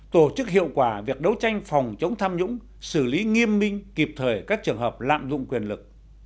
tổ chức hiệu quả việc đấu tranh phòng chống tham nhũng xử lý nghiêm minh kịp thời các trường hợp lạm dụng quyền lực